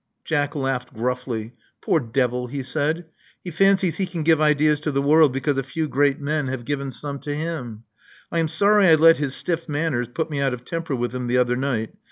Jack laughed gruffly. Poor devil!" he said, he fancies he can give ideas to the world because a few great men have given some to him. I am sorry I let his stiff manners put me out of temper with him the other night.